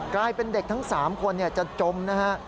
กลายเป็นเด็กทั้ง๓คนจะจมนะฮะ